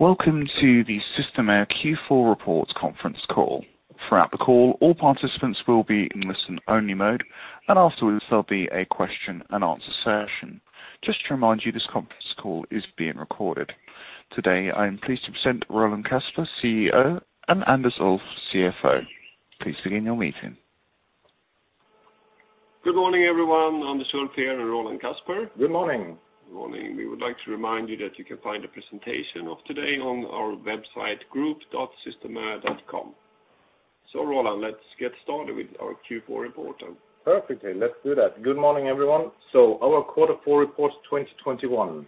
Welcome to the Systemair Q4 reports conference call. Throughout the call, all participants will be in listen-only mode, and afterwards there'll be a question-and-answer session. Just to remind you, this conference call is being recorded. Today, I am pleased to present Roland Kasper, CEO, and Anders Ulff, CFO. Please begin your meeting. Good morning, everyone. Anders Ulff here and Roland Kasper. Good morning. Morning. We would like to remind you that you can find the presentation of today on our website group.systemair.com. Roland, let's get started with our Q4 report. Perfectly. Let's do that. Good morning, everyone. Our Quarter Four Report 2021.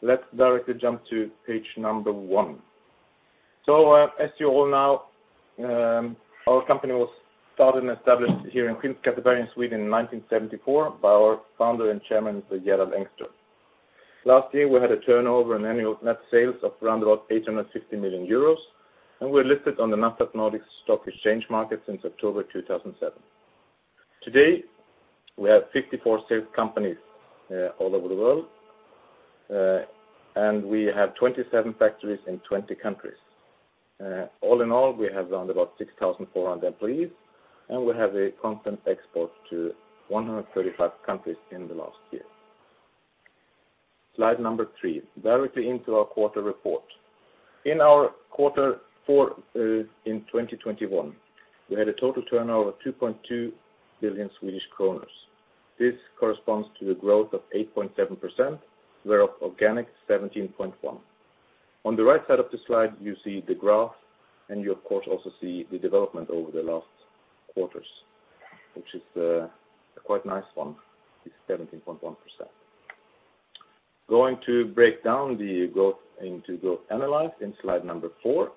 Let's directly jump to page number one. As you all know, our company was started and established here in Kristinehamn, Sweden in 1974 by our founder and Chairman, Gerald Engström. Last year, we had a turnover in annual net sales of around about 850 million euros, and we're listed on the NASDAQ Nordic stock exchange market since October 2007. Today, we have 54 sales companies all over the world, and we have 27 factories in 20 countries. All in all, we have around about 6,400 employees, and we have a constant export to 135 countries in the last year. Slide number three, directly into our quarter report. In our quarter four in 2021, we had a total turnover of 2.2 billion Swedish kronor. This corresponds to the growth of 8.7%, whereof organic 17.1%. On the right side of the slide, you see the graph, and you of course, also see the development over the last quarters, which is a quite nice one. It's 17.1%. Going to break down the growth into growth analyzed in slide four.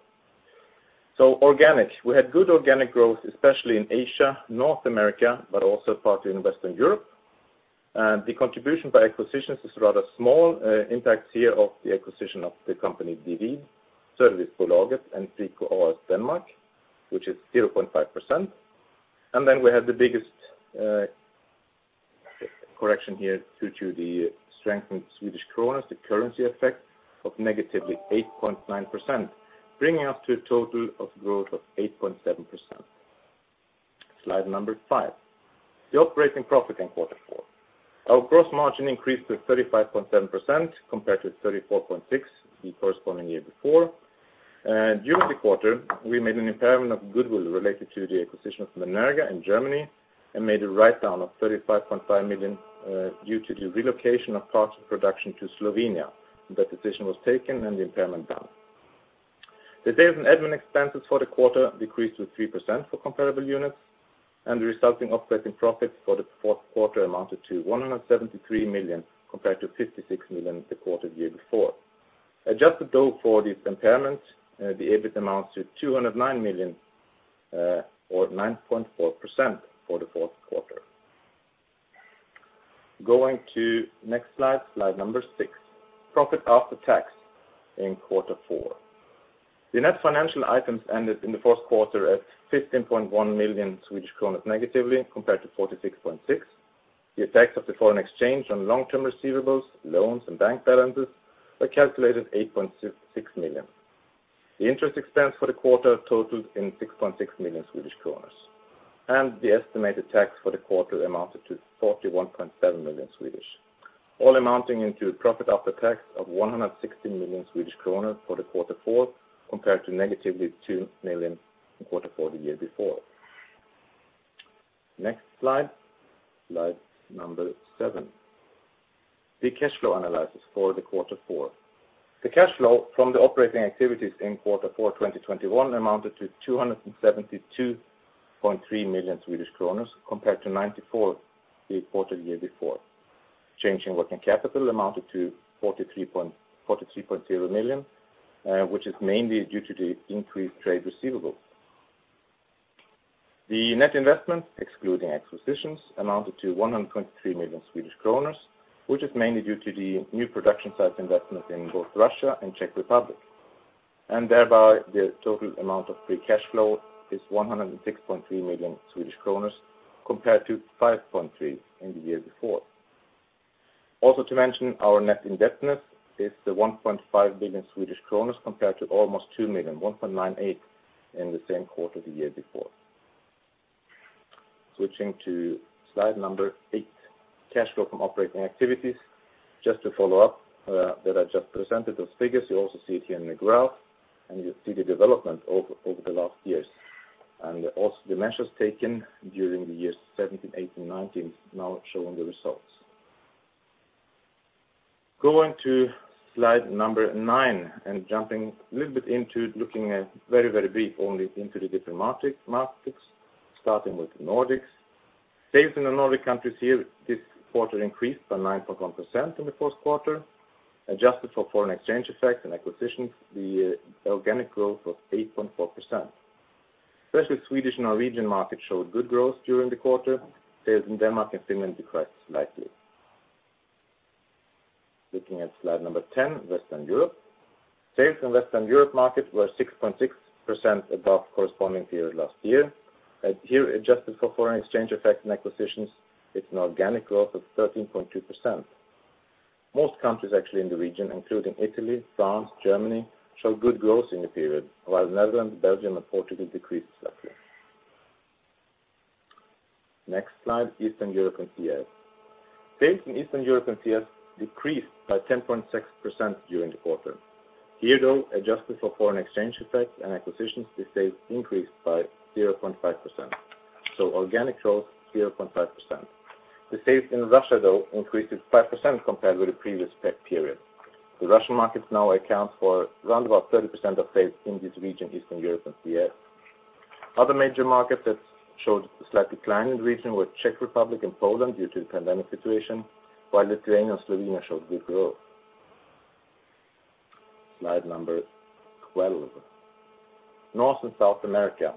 Organic. We had good organic growth, especially in Asia, North America, but also partly in Western Europe. The contribution by acquisitions is rather small impact here of the acquisition of the company, Divid, Servicebolaget, and Frico A/S Denmark, which is 0.5%. Then we have the biggest correction here due to the strengthened Swedish Krona, the currency effect of negatively 8.9%, bringing us to a total of growth of 8.7%. Slide number five, the operating profit in quarter four. Our gross margin increased to 35.7% compared to 34.6% the corresponding year before. During the quarter, we made an impairment of goodwill related to the acquisition of Menerga in Germany and made a write-down of 35.5 million due to the relocation of parts of production to Slovenia. That decision was taken and the impairment done. The SG&A expenses for the quarter decreased to 3% for comparable units. The resulting operating profit for the fourth quarter amounted to 173 million compared to 56 million the quarter the year before. Adjusted, though, for this impairment, the EBIT amounted to 209 million, or 9.4% for the fourth quarter. Going to next slide, slide number six, profit after tax in quarter four. The net financial items ended in the fourth quarter at 15.1 million Swedish kronor negatively compared to 46.6 million. The effect of the foreign exchange on long-term receivables, loans, and bank balances were calculated 8.6 million. The interest expense for the quarter totals in 6.6 million Swedish kronor. The estimated tax for the quarter amounted to 41.7 million. All amounting into profit after tax of 160 million Swedish kronor for the quarter four compared to negatively 2 million in the quarter four the year before. Next slide, slide number seven, the cash flow analysis for the quarter four. The cash flow from the operating activities in quarter four 2021 amounted to 272.3 million Swedish kronor compared to 94 million the quarter the year before. Change in working capital amounted to 43.0 million, which is mainly due to the increased trade receivables. The net investment, excluding acquisitions, amounted to 123 million Swedish kronor, which is mainly due to the new production site investments in both Russia and Czech Republic. Thereby, the total amount of free cash flow is 106.3 million Swedish kronor compared to 5.3 million in the year before. Also to mention, our net indebtedness is 1.5 billion Swedish kronor compared to almost 2 billion, 1.98 billion in the same quarter the year before. Switching to slide number eight, cash flow from operating activities. Just to follow up that I just presented those figures. You also see it here in the graph, and you see the development over the last years, and also the measures taken during the years 2017, 2018, 2019 now showing the results. Going to slide number nine and jumping a little bit into looking at very, very brief only into the different markets, starting with the Nordics. Sales in the Nordic countries here this quarter increased by 9.1% in the fourth quarter. Adjusted for foreign exchange effect and acquisitions, the organic growth was 8.4%. Especially Swedish and Norwegian markets showed good growth during the quarter. Sales in Denmark and Finland decreased slightly. Looking at slide number 10, Western Europe. Sales in Western Europe market were 6.6% above corresponding period last year. Here, adjusted for foreign exchange effects and acquisitions, it's an organic growth of 13.2%. Most countries actually in the region, including Italy, France, Germany, show good growth in the period, while Netherlands, Belgium, and Portugal decreased slightly. Next slide, Eastern Europe and CIS. Sales in Eastern Europe and CIS decreased by 10.6% during the quarter. Here, though, adjusted for foreign exchange effects and acquisitions, the sales increased by 0.5%. Organic growth, 0.5%. The sales in Russia, though, increased 5% compared with the previous tech period. The Russian markets now account for roundabout 30% of sales in this region, Eastern Europe and CIS. Other major markets that showed a slight decline in the region were Czech Republic and Poland due to the pandemic situation, while Lithuania and Slovenia showed good growth. Slide number 12. North and South America.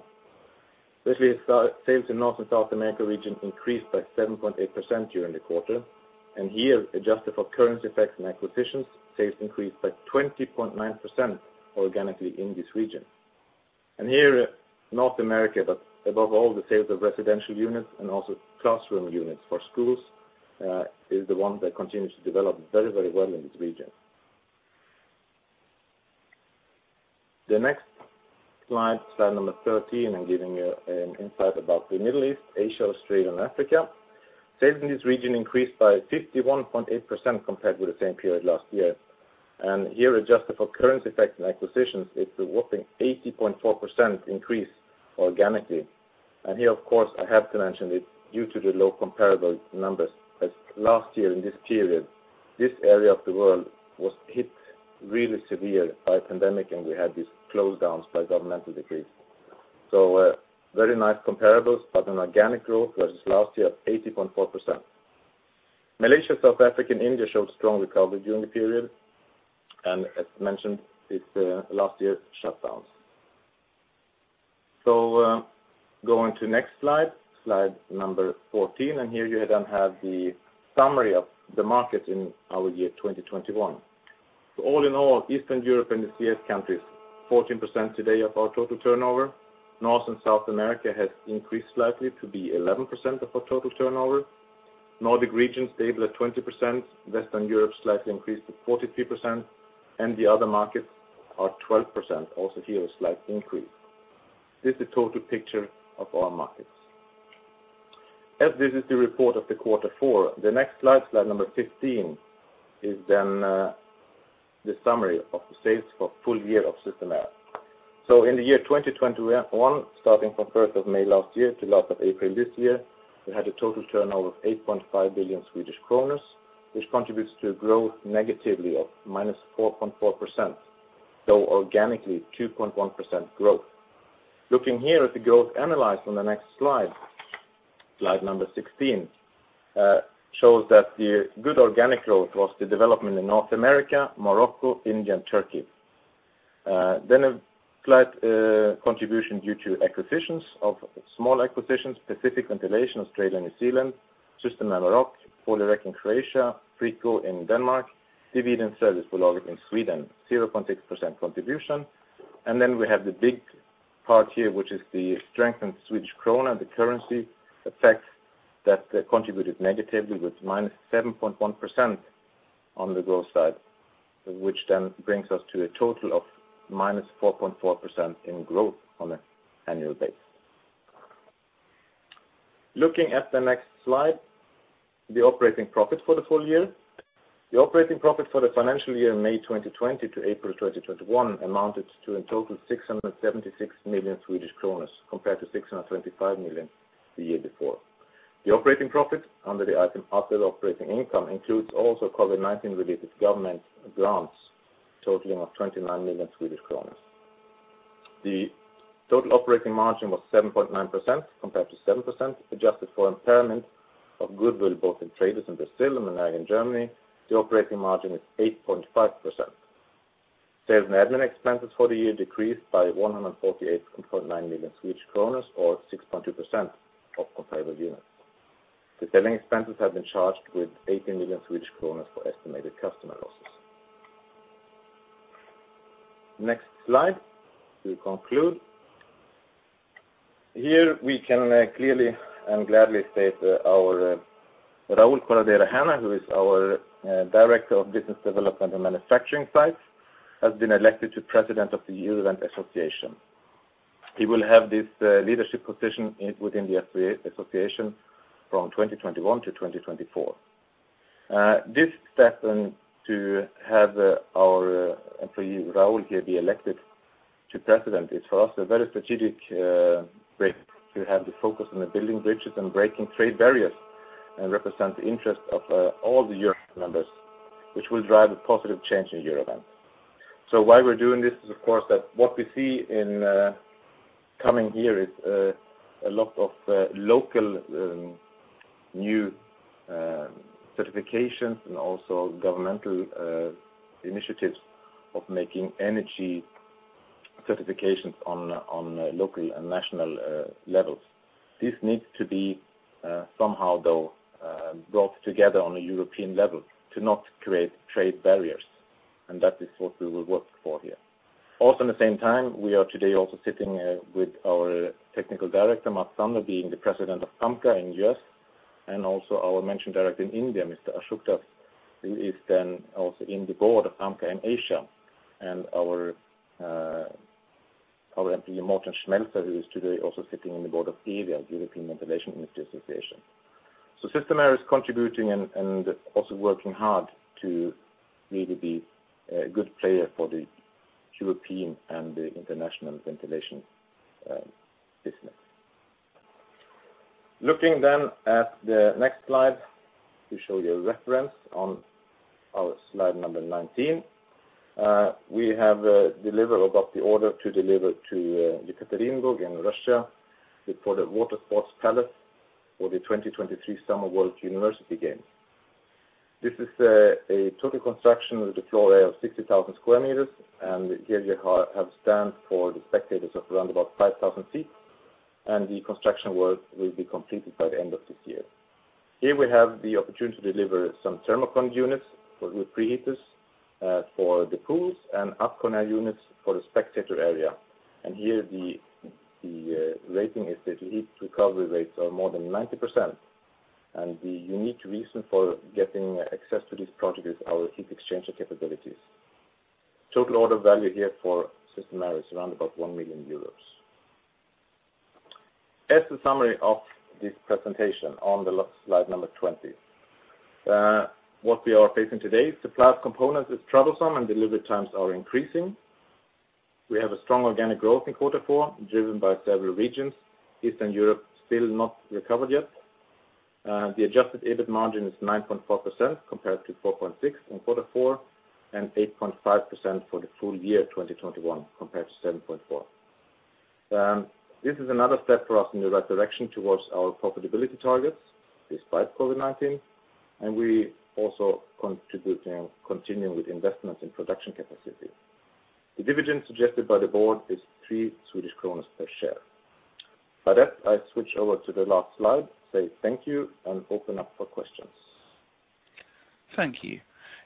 Sales in North and South America region increased by 7.8% during the quarter, and here, adjusted for currency effects and acquisitions, sales increased by 20.9% organically in this region. Here, North America, above all the sales of residential units and also classroom units for schools, is the one that continues to develop very well in this region. The next slide number 13, I'm giving you an insight about the Middle East, Asia, Australia, and Africa. Sales in this region increased by 51.8% compared with the same period last year. Here, adjusted for currency effects and acquisitions, it's a whopping 80.4% increase organically. Here, of course, I have to mention it's due to the low comparable numbers, as last year in this period, this area of the world was hit really severe by the pandemic, and we had these close downs by governmental decrees. Very nice comparables, but an organic growth versus last year of 80.4%. Malaysia, South Africa, and India showed strong recovery during the period, and as mentioned, it's last year's shutdowns. Going to next slide number 14. Here you then have the summary of the market in our year 2021. All in all, Eastern Europe and the CIS countries, 14% today of our total turnover. North and South America has increased slightly to be 11% of our total turnover. Nordic region, stable at 20%, Western Europe, slightly increased to 43%, and the other markets are 12%, also here a slight increase. This is total picture of our markets. As this is the report of the quarter four, the next slide, slide number 15, is then the summary of the sales for full year of Systemair. In the year 2021, starting from 1st of May last year to last of April this year, we had a total turnover of 8.5 billion Swedish kronor, which contributes to a growth negatively of -4.4%. Organically, 2.1% growth. Looking here at the growth analyzed on the next slide 16, shows that the good organic growth was the development in North America, Morocco, India, and Turkey. A slight contribution due to acquisitions of small acquisitions, Pacific Ventilation Australia and New Zealand, Systemair Maroc, Poly-Rek in Croatia, Frico in Denmark, Divid and Servicebolaget in Sweden, 0.6% contribution. We have the big part here, which is the strengthened Swedish Krona, the currency effect that contributed negatively with -7.1% on the growth side, which then brings us to a total of -4.4% in growth on an annual basis. Looking at the next slide, the operating profit for the full year. The operating profit for the financial year, May 2020 to April 2021, amounted to in total 676 million Swedish kronor compared to 625 million the year before. The operating profit under the item other operating income includes also COVID-19 related government grants totaling of 29 million Swedish kronor. The total operating margin was 7.9% compared to 7%, adjusted for impairment of goodwill both in Traydus in Brazil and Menerga in Germany, the operating margin is 8.5%. Sales and admin expenses for the year decreased by 148.9 million Swedish kronor or 6.2% of comparable units. The selling expenses have been charged with 18 million Swedish kronor for estimated customer losses. Next slide to conclude. Here we can clearly and gladly state that our Raul Corredera Haener, who is our Director of Business Development and Manufacturing Sites, has been elected to President of the Eurovent Association. He will have this leadership position within the Association from 2021 to 2024. This fact to have our employee, Raul, here be elected to President is, for us, a very strategic break to have the focus on the building bridges and breaking trade barriers and represent the interest of all the Eurovent members, which will drive a positive change in Eurovent. Why we're doing this is, of course, that what we see in coming here is a lot of local new certifications and also governmental initiatives of making energy certifications on local and national levels. This needs to be somehow, though and work together on a European level to not create trade barriers. That is what we will work for here. Also, in the same time, we are today also sitting here with our technical director, Mats Sándor being the president of AMCA in the U.S. and also our managing director in India, Mr. Ashok, who is then also in the board of AMCA in Asia, and our Morten Schmelzer, who is today also sitting on the board of EVIA, European Ventilation Industry Association. Systemair is contributing and also working hard to really be a good player for the European and the international ventilation business. Looking then at the next slide to show you a reference on our slide number 19. We have got the order to deliver to Yekaterinburg in Russia for the water sports palace for the 2023 Summer World University Games. This is a total construction with a floor area of 60,000 sq m. Here you have stands for the spectators of around about 5,000 seats. The construction work will be completed by the end of this year. Here we have the opportunity to deliver some ThermoCond units for the preheaters for the pools and Adconair units for the spectator area. Here the rating is that the heat recovery rates are more than 90%. The unique reason for getting access to this project is our heat exchanger capabilities. Total order value here for Systemair is around about 1 million euros. As a summary of this presentation on the slide number 20. What we are facing today is supply of components is troublesome and delivery times are increasing. We have a strong organic growth in quarter four, driven by several regions. Eastern Europe still not recovered yet. The adjusted EBIT margin is 9.4% compared to 4.6% in quarter four and 8.5% for the full year 2021 compared to 7.4%. This is another step for us in the right direction towards our profitability targets despite COVID-19, and we also continuing with investments in production capacity. The dividend suggested by the board is 3 per share. By that, I switch over to the last slide, say thank you and open up for questions. Thank you.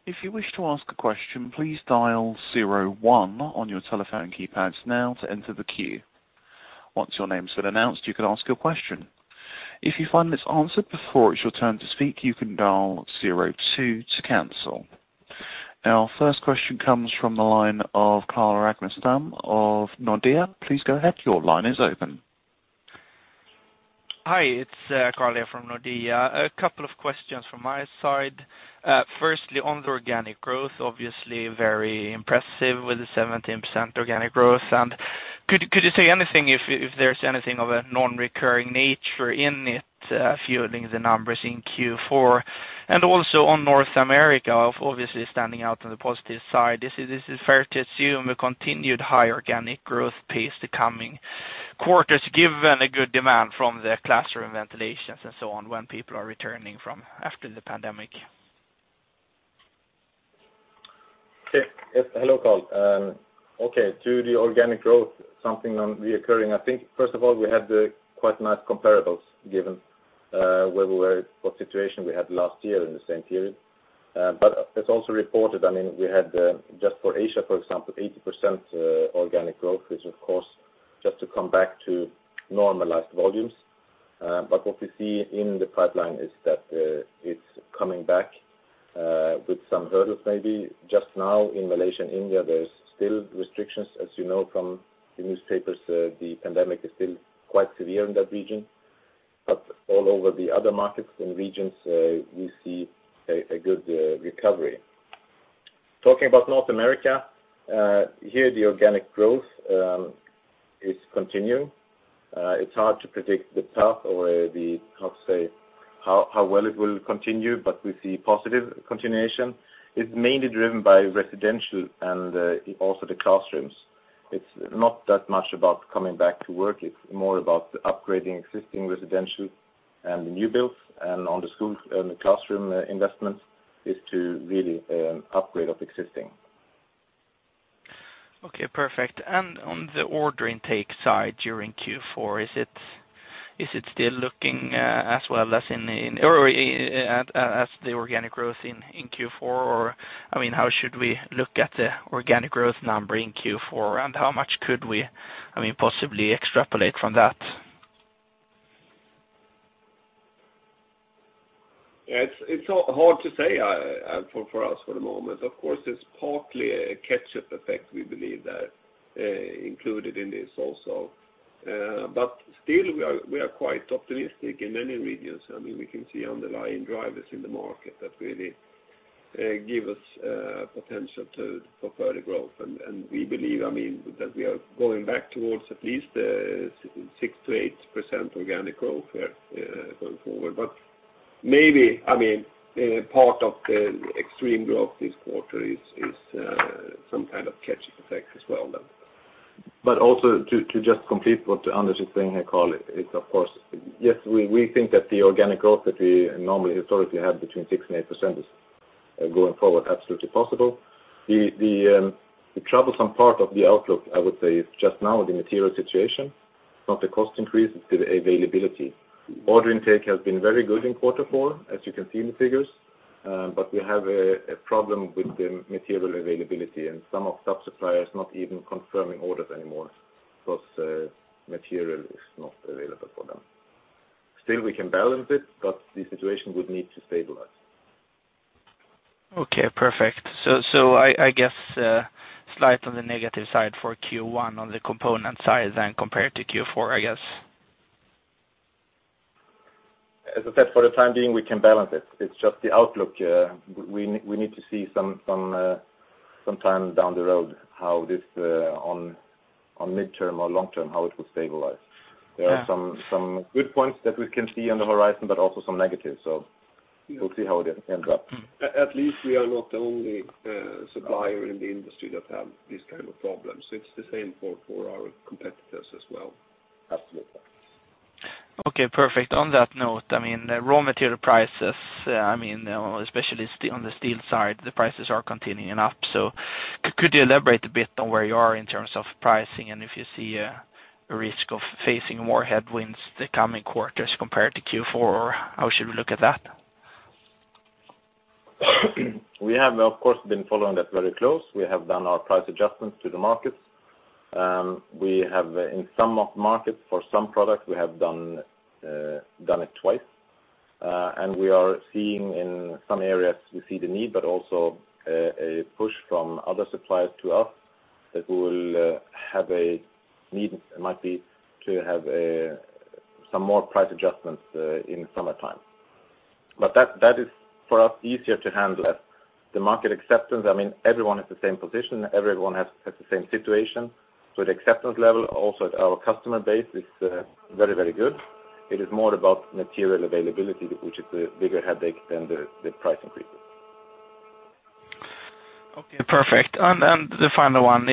If you wish to ask a question, please dial zero one on your telephone keypad now to enter the queue. Once your name is been announced, you can ask your question. If you find this answered before it's your turn to speak, you can dial zero two to cancel. Now our first question comes from the line of Carl Ragnerstam of Nordea. Please go ahead. Your line is open. Hi, it's Carl from Nordea. A couple of questions from my side. Firstly, on the organic growth, obviously very impressive with the 17% organic growth. Could you say anything if there's anything of a non-recurring nature in it fueling the numbers in Q4? Also on North America, obviously standing out on the positive side. Is it fair to assume a continued high organic growth pace the coming quarters, given a good demand from the classroom ventilations and so on when people are returning from after the pandemic? Yes. Hello, Carl. Okay, to the organic growth, something non-reoccurring. I think, first of all, we had quite nice comparables given where we were, what situation we had last year in the same period. As also reported, we had just for Asia, for example, 80% organic growth, which of course, just to come back to normalized volumes. What we see in the pipeline is that it's coming back with some hurdles maybe just now in Malaysia and India, there's still restrictions, as you know, from the newspapers. The pandemic is still quite severe in that region. All over the other markets and regions, we see a good recovery. Talking about North America, here the organic growth is continuing. It's hard to predict the path or how to say how well it will continue, but we see positive continuation. It's mainly driven by residential and also the classrooms. It's not that much about coming back to work. It's more about upgrading existing residential and new builds and on the school and classroom investments is to really upgrade of existing. Okay, perfect. On the order intake side during Q4, is it still looking as well as the organic growth in Q4? How should we look at the organic growth number in Q4, and how much could we possibly extrapolate from that? It's hard to say for us for the moment. Of course, it's partly a catch-up effect, we believe that included in this also. Still, we are quite optimistic in many regions. We can see underlying drivers in the market that really give us potential for further growth. We believe that we are going back towards at least 6%-8% organic growth here going forward. Maybe, I mean, part of the extreme growth this quarter is some kind of catch-up effect as well. Also to just complete what Anders is saying here, Carl, it's of course, yes, we think that the organic growth that we normally historically have between 6% and 8% is, going forward, absolutely possible. The troublesome part of the outlook, I would say, is just now the material situation. It's not the cost increase, it's the availability. Order intake has been very good in quarter four, as you can see in the figures, but we have a problem with the material availability and some of the suppliers not even confirming orders anymore because material is not available for them. Still, we can balance it, but the situation would need to stabilize. Okay, perfect. I guess slight on the negative side for Q1 on the component side then compared to Q4, I guess. As I said, for the time being, we can balance it. It's just the outlook. We need to see sometime down the road how this, on midterm or long term, how it will stabilize. There are some good points that we can see on the horizon, but also some negatives. We'll see how that ends up. At least we are not the only supplier in the industry that have this kind of problem. It's the same for our competitors as well at the moment. Okay, perfect. On that note, I mean, raw material prices, I mean, especially on the steel side, the prices are continuing up. Could you elaborate a bit on where you are in terms of pricing and if you see a risk of facing more headwinds the coming quarters compared to Q4, how should we look at that? We have, of course, been following that very close. We have done our price adjustments to the markets. In some markets, for some products, we have done it twice. We are seeing in some areas we see the need, but also a push from other suppliers to us that we will need, it might be, to have some more price adjustments in summertime. That is, for us, easier to handle at the market acceptance. Everyone has the same position, everyone has the same situation. The acceptance level also at our customer base is very good. It is more about material availability, which is a bigger headache than the price increase. Okay, perfect. The final one,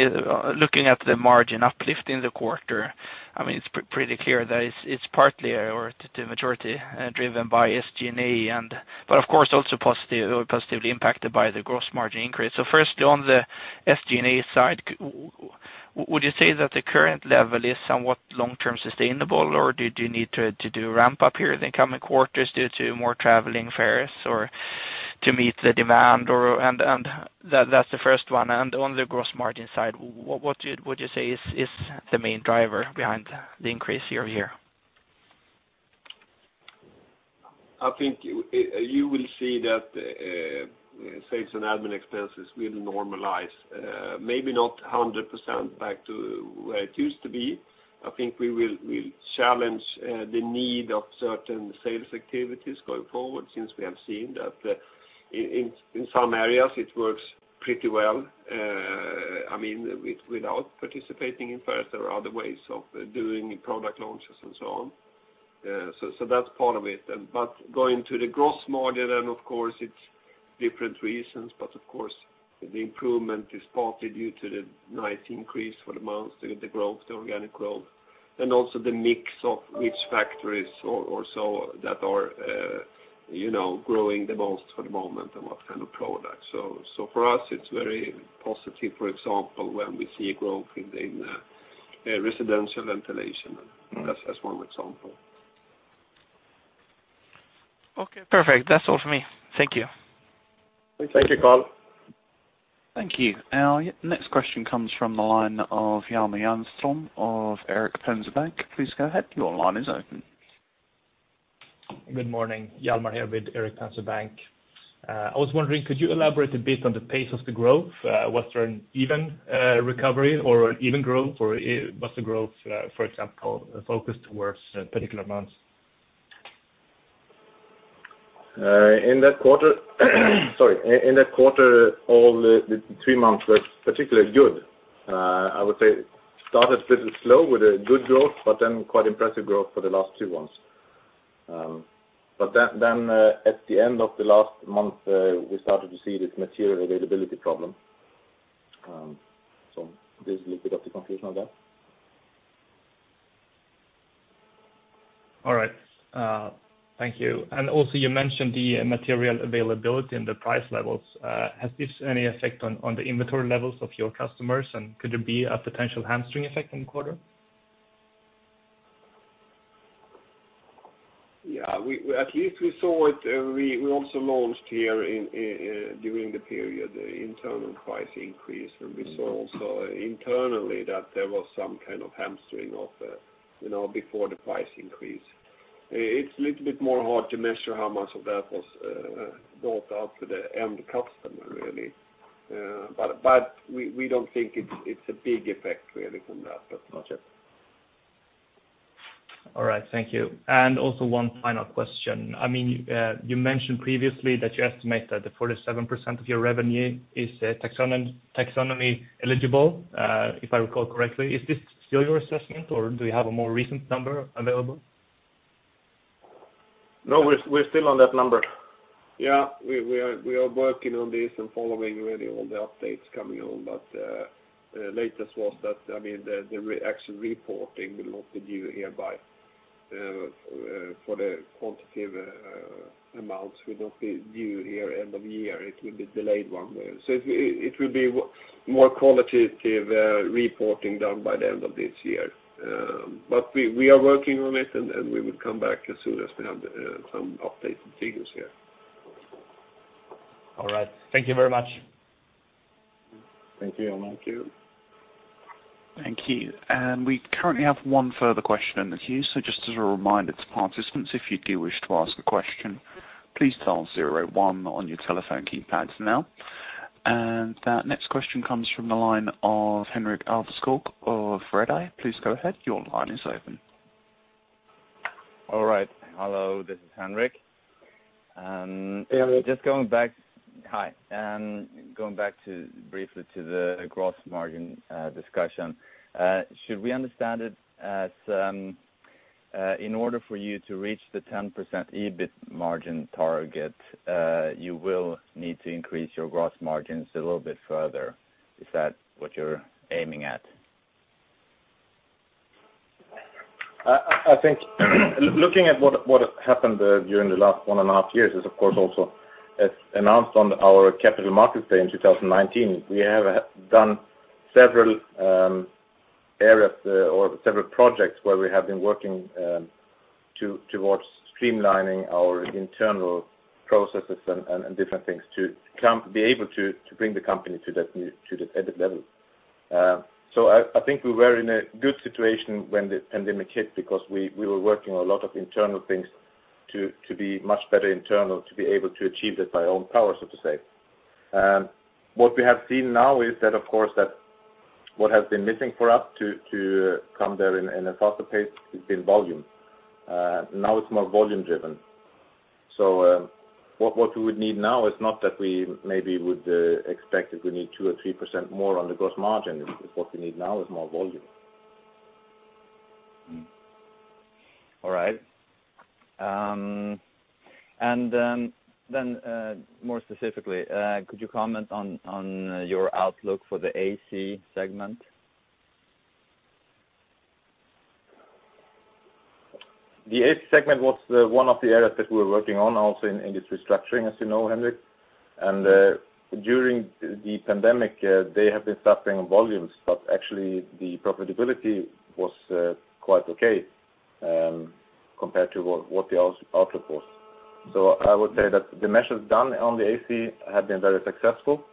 looking at the margin uplift in the quarter, it's pretty clear that it's partly or the majority driven by SG&A, but of course also positively impacted by the gross margin increase. Firstly, on the SG&A side, would you say that the current level is somewhat long-term sustainable, or did you need to do a ramp up here in the coming quarters due to more traveling fairs or to meet the demand? That's the first one. On the gross margin side, what would you say is the main driver behind the increase year-over-year? I think you will see that sales and admin expenses will normalize maybe not 100% back to where it used to be. I think we will challenge the need of certain sales activities going forward, since we have seen that in some areas it works pretty well without participating in fairs. There are other ways of doing product launches and so on. That's part of it. Going to the gross margin, and of course it's different reasons, but of course the improvement is partly due to the nice increase for the month, the growth, the organic growth, and also the mix of which factories or so that are growing the most at the moment and what kind of products. For us, it's very positive, for example, when we see a growth in residential ventilation. That's just one example. Okay, perfect. That's all for me. Thank you. Thank you, Carl. Thank you. Next question comes from the line of Hjalmar Jernström of Erik Penser Bank. Please go ahead. Your line is open. Good morning. Hjalmar here with Erik Penser Bank. I was wondering, could you elaborate a bit on the pace of the growth? Was there an even recovery or even growth, or was the growth, for example, focused towards particular months? In that quarter, sorry, all the three months were particularly good. I would say it started a bit slow with a good growth, quite impressive growth for the last two months. At the end of the last month, we started to see this material availability problem. This is a bit of the conclusion of that. All right. Thank you. Also you mentioned the material availability and the price levels. Has this any effect on the inventory levels of your customers? Could there be a potential hamstring effect on quarter? Yeah. At least we saw it. We also launched here during the period the internal price increase. We saw also internally that there was some kind of hamstring before the price increase. It's a little bit more hard to measure how much of that was built up to the end customer, really. We don't think it's a big effect really from that. That's not it. All right. Thank you. Also one final question. You mentioned previously that you estimate that the 47% of your revenue is taxonomy eligible, if I recall correctly. Is this still your assessment or do you have a more recent number available? No, we're still on that number. We are working on this and following really all the updates coming on. The latest was that the actual reporting will not be due hereby for the quantitative amounts, we don't see due here end of year. It will be delayed one. It will be more qualitative reporting done by the end of this year. We are working on it and we will come back as soon as we have some updated figures here. All right. Thank you very much. Thank you. Thank you. We currently have one further question in the queue. Just as a reminder to participants, if you do wish to ask a question, please dial zero eight one on your telephone keypads now. That next question comes from the line of Henrik Alveskog of Redeye. Please go ahead. Your line is open. All right. Hello, this is Henrik. Hi. Going back briefly to the gross margin discussion. Should we understand it as in order for you to reach the 10% EBIT margin target, you will need to increase your gross margins a little bit further? Is that what you're aiming at? I think looking at what has happened during the last 1.5 years is, of course, also as announced on our Capital Market Day in 2019. We have done several areas or several projects where we have been working towards streamlining our internal processes and different things to be able to bring the company to the stated level. I think we were in a good situation when the pandemic hit because we were working a lot of internal things to be much better internal to be able to achieve it by our own power, so to say. What we have seen now is that, of course, what has been missing for us to come there in a faster pace has been volume. Now it's more volume driven. What we would need now is not that we maybe would expect that we need 2% or 3% more on the gross margin. What we need now is more volume. All right. More specifically, could you comment on your outlook for the AC segment? The AC segment was one of the areas that we're working on also in industry structuring, as you know, Henrik. During the pandemic, they have been suffering volumes, but actually the profitability was quite okay compared to what the outlook was. I would say that the measures done on the AC have been very successful.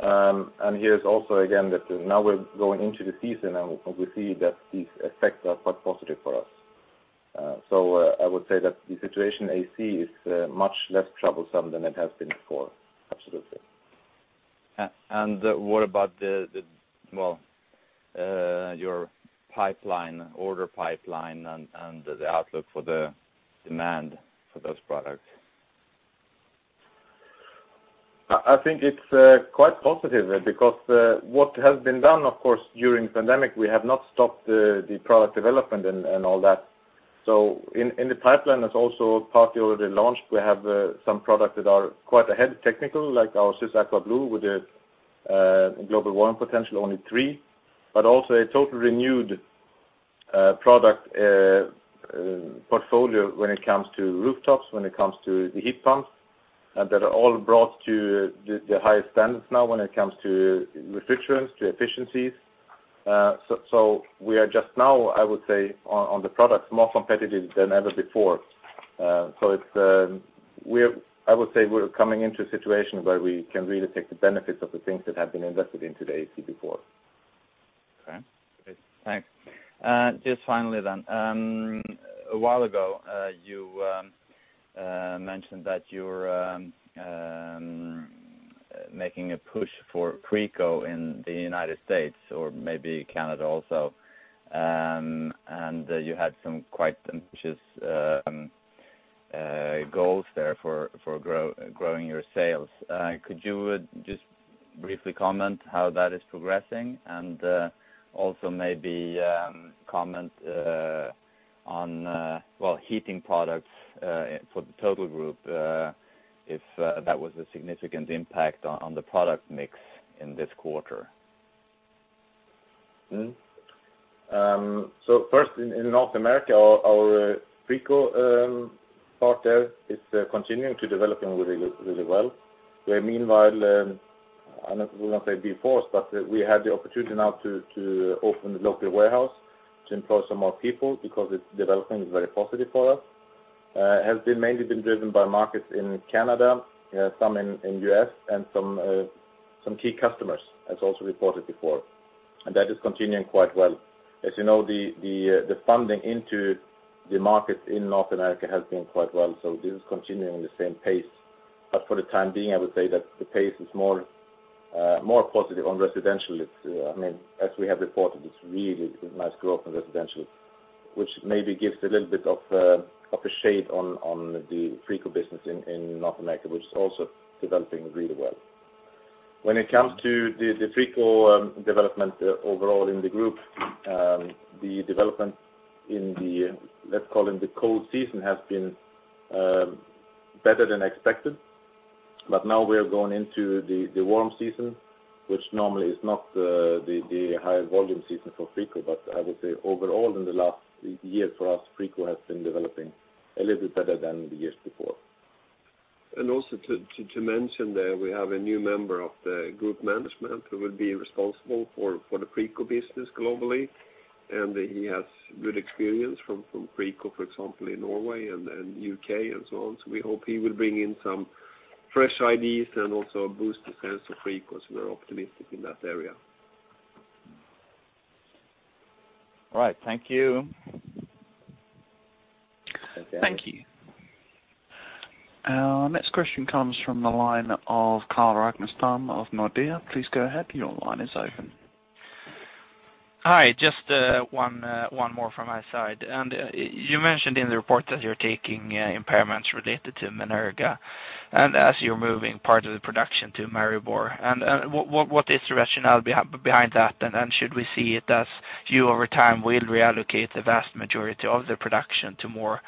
Here is also again that now we're going into the season and we see that these effects are quite positive for us. I would say that the situation AC is much less troublesome than it has been before. Absolutely. What about your pipeline, order pipeline and the outlook for the demand for those products? I think it's quite positive because what has been done, of course, during pandemic we have not stopped the product development and all that. In the pipeline is also partly already launched. We have some products that are quite ahead technical like our SYSAQUA BLUE with the Global Warming Potential only three, but also a total renewed product portfolio when it comes to rooftops, when it comes to the heat pumps and that are all brought to the highest standards now when it comes to refrigerants, to efficiencies. We are just now, I would say, on the product more competitive than ever before. I would say we're coming into a situation where we can really take the benefits of the things that have been invested in today AC before. Okay, great. Thanks. Finally, a while ago, you mentioned that you're making a push for Frico in the U.S. or maybe Canada also. You had some quite ambitious goals there for growing your sales. Could you just briefly comment how that is progressing and also maybe comment on heating products for the total group if that was a significant impact on the product mix in this quarter? First in North America our Frico partner is continuing to develop really well. We meanwhile, I know we're going to say before but we had the opportunity now to open the local warehouse to employ some more people because it's developing very positively for us. Has been mainly driven by markets in Canada, some in U.S. and some key customers as also reported before. That is continuing quite well. As you know the funding into the market in North America has been quite well. This is continuing the same pace but for the time being I would say that the pace is more positive on residential. As we have reported it's really nice growth in residential which maybe gives a little bit of a shade on the Frico business in North America which is also developing really well. When it comes to the Frico development overall in the group, the development in the, let's call it the cold season, has been better than expected. Now we are going into the warm season, which normally is not the high volume season for Frico. I would say overall in the last year for us, Frico has been developing a little bit better than the years before. Also to mention that we have a new member of the group management who will be responsible for the Frico business globally, and he has good experience from Frico, for example, in Norway and U.K. and so on. We hope he will bring in some fresh ideas and also a boost of sales for Frico, so we're optimistic in that area. Right. Thank you. Thank you. Our next question comes from the line of Carl Ragnerstam of Nordea. Please go ahead. Your line is open. Hi, just one more from my side. You mentioned in the report that you're taking impairments related to Menerga, and as you're moving part of the production to Maribor. What is the rationale behind that? Should we see it as you, over time, will reallocate the vast majority of the production to more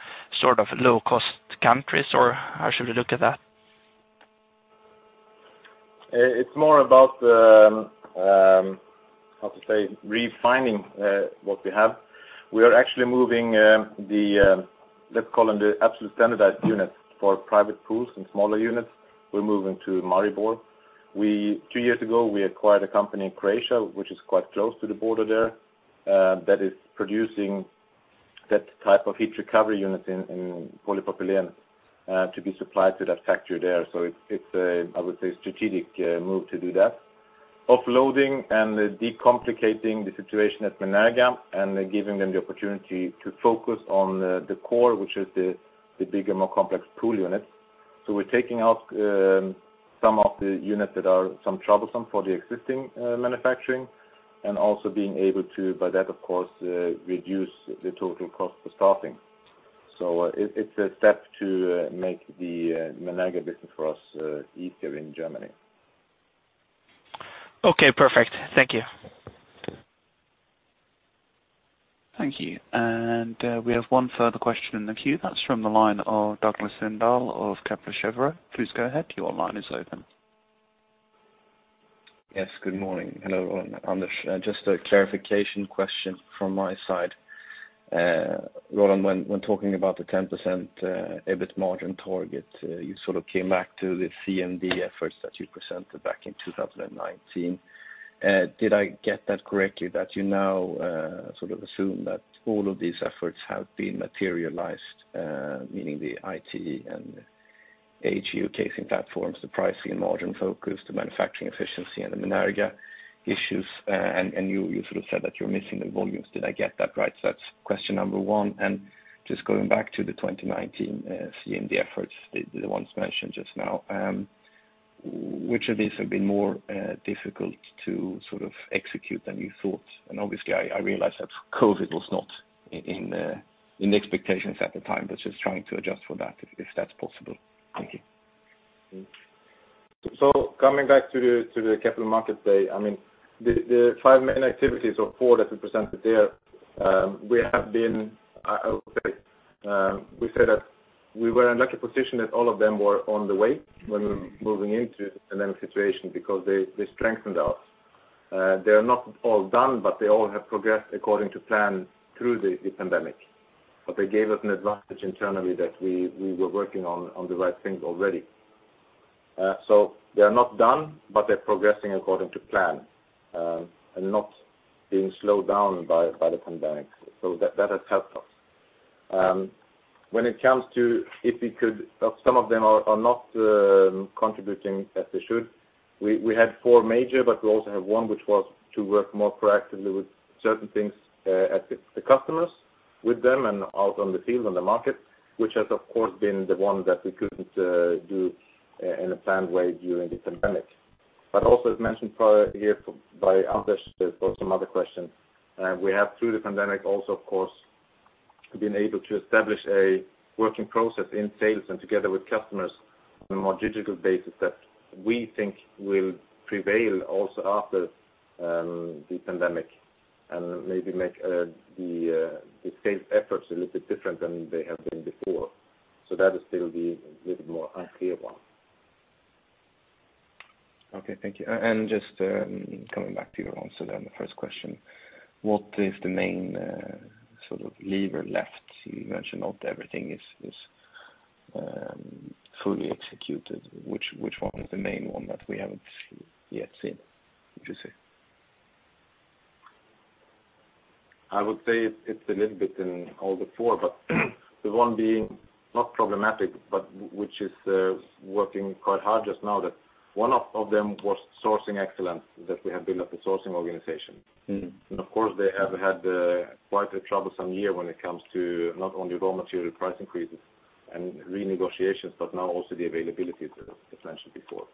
low-cost countries, or how should we look at that? It's more about, how to say, refining what we have. We are actually moving, let's call them the absolute standardized units for private pools and smaller units. We're moving to Maribor. Two years ago, we acquired a company in Croatia, which is quite close to the border there, that is producing that type of heat recovery unit in polypropylene to be supplied to that factory there. It's a, I would say, strategic move to do that. Offloading and decomplicating the situation at Menerga and giving them the opportunity to focus on the core, which is the bigger, more complex pool units. We're taking out some of the units that are troublesome for the existing manufacturing and also being able to, by that, of course, reduce the total cost for staffing. It's a step to make the Menerga business for us easier in Germany. Okay, perfect. Thank you. Thank you. We have one further question in the queue. That's from the line of Douglas Lindahl of Kepler Cheuvreux. Please go ahead. Your line is open. Yes, good morning. Hello, Roland, Anders. Just a clarification question from my side. Roland, when talking about the 10% EBIT margin target, you sort of came back to the CMD efforts that you presented back in 2019. Did I get that correctly that you now sort of assume that all of these efforts have been materialized, meaning the IT and the AHU casing platforms, the pricing and margin focus, the manufacturing efficiency, and the Menerga issues, and you said that you're missing the volumes. Did I get that right? That's question number one. Just going back to the 2019 CMD efforts, the ones mentioned just now, which of these have been more difficult to execute than you thought? Obviously, I realize that COVID-19 was not in the expectations at the time, but just trying to adjust for that, if that's possible. Thank you. Coming back to the Capital Market Day, I mean, the five main activities or four that we presented there, we said that we were in a lucky position that all of them were on the way when we were moving into the pandemic situation because they strengthened us. They are not all done, but they all have progressed according to plan through the pandemic. They gave us an advantage internally that we were working on the right things already. They are not done, but they're progressing according to plan, and not being slowed down by the pandemic. That has helped us. Some of them are not contributing as they should. We had four major, we also have one which was to work more proactively with certain things at the customers, with them and out on the field, on the market, which has of course, been the one that we couldn't do in a planned way during the Pandemic. Also as mentioned here by Anders for some other questions, we have through the Pandemic also, of course, been able to establish a working process in sales and together with customers on a more digital basis that we think will prevail also after the Pandemic and maybe make the sales efforts a little bit different than they have been before. That will still be a little more unclear one. Okay, thank you. Just coming back to your answer, the first question, what is the main lever left? You mentioned not everything is fully executed. Which one is the main one that we haven't yet seen, would you say? I would say it's a little bit in all the four, but the one being not problematic, but which is working quite hard just now that one of them was sourcing excellence, that we have built up a sourcing organization. Mm. Of course, they have had quite a troublesome year when it comes to not only raw material price increases and renegotiations, but now also the availability that was mentioned before.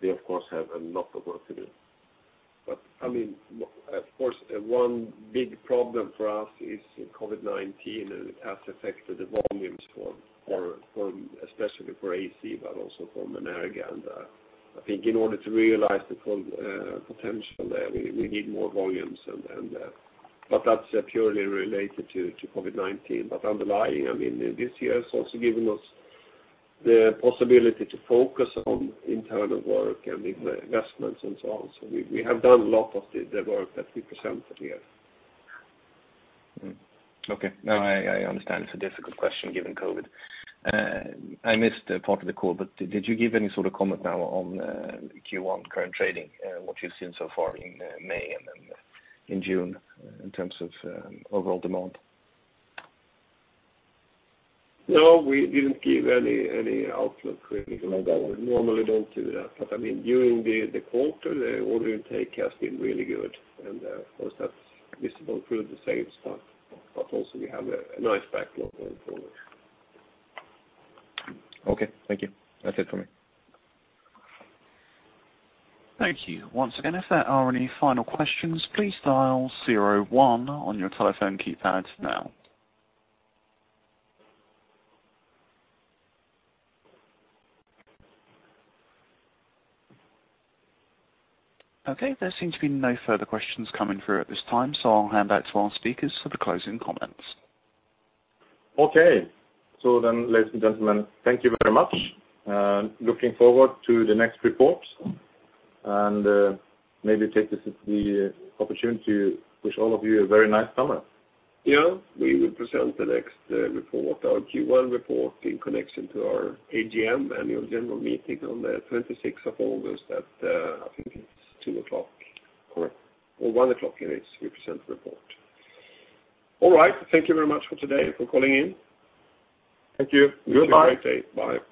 They, of course, have a lot of work to do. I mean, of course, one big problem for us is COVID-19, and it has affected the volumes especially for AC, but also for Menerga. I think in order to realize the full potential there, we need more volumes, but that's purely related to COVID-19. Underlying, this year has also given us the possibility to focus on internal work and investments and so on. We have done a lot of the work that we presented here. Okay. I understand it's a difficult question given COVID. I missed part of the call, but did you give any sort of comment now on Q1 current trading, what you've seen so far in May and then in June in terms of overall demand? No, we didn't give any outlook really. We normally don't do that. During the quarter, the order intake has been really good, and of course that's visible through the sales. Also we have a nice backlog going forward. Okay, thank you. That's it from me. Thank you. Once again, if there are any final questions, please dial zero one on your telephone keypad now. Okay, there seem to be no further questions coming through at this time, so I'll hand back to our speakers for the closing comments. Okay. Ladies and gentlemen, thank you very much. Looking forward to the next reports, and maybe take this as the opportunity to wish all of you a very nice summer. Yeah, we will present the next report, our Q1 report in connection to our AGM annual general meeting on the 26th of August at, I think it's 2:00 P.M. Correct. 1:00 P.M. it is, we present the report. All right. Thank you very much for today and for calling in. Thank you. Goodbye. Have a great day. Bye.